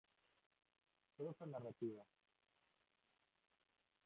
Prosa narrativa.